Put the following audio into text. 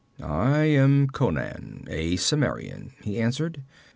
'I am Conan, a Cimmerian,' he answered.